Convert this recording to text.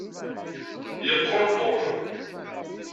Yeqquṛ Tom.